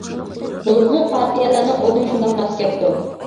بولۇپمۇ قاپىيەلەرنىڭ ئورنى شۇنداق ماس كەپتۇ.